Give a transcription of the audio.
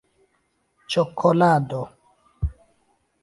ĉokolado